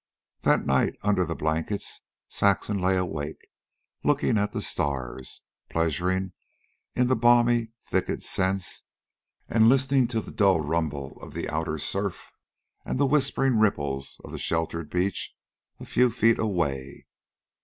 That night, under the blankets, Saxon lay awake, looking at the stars, pleasuring in the balmy thicket scents, and listening to the dull rumble of the outer surf and the whispering ripples on the sheltered beach a few feet away.